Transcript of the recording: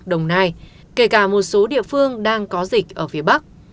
đồng nai kể cả một số địa phương đang có dịch ở phía bắc